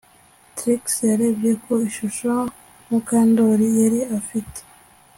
Trix yarebye ku ishusho Mukandoli yari afite